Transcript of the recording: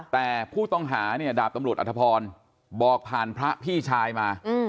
แต่ผู้ต้องหาเนี่ยดาบตำรวจอธพรบอกผ่านพระพี่ชายมา